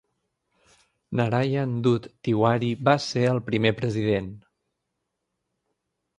Narayan Dutt Tiwari va ser el primer president.